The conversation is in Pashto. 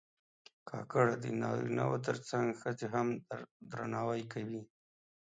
کاکړ د نارینه و تر څنګ ښځې هم درناوي کوي.